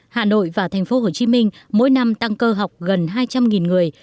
hà nội và thành phố hồ chí minh mỗi năm tăng cơ học gần hai trăm linh người